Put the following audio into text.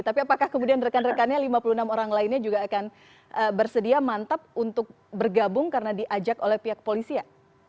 tapi apakah kemudian rekan rekannya lima puluh enam orang lainnya juga akan bersedia mantap untuk bergabung karena diajak oleh pihak polisian